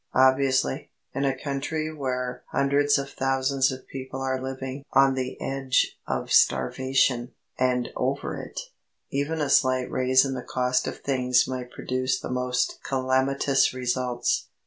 Obviously, in a country where hundreds of thousands of people are living on the edge of starvation and over it even a slight rise in the cost of things might produce the most calamitous results.